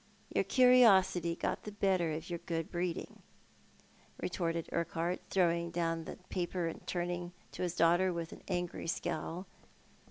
Your curiosity got the better of your good breeding," retorted Urquhart, throwing down the paper, and turning to his daughter with au angry scowl.